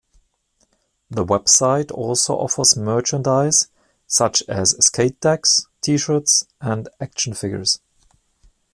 The website also offers merchandise such as skate decks, T-shirts and action figures.